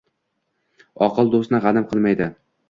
Oqil doʼstni gʼanim qilmaydi.